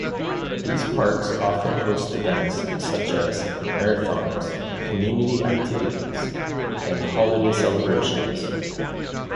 These parks often host events such as marathons, community activities and holiday celebrations.